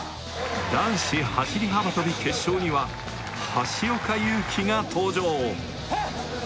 男子走幅跳決勝には橋岡優輝が登場ハッ！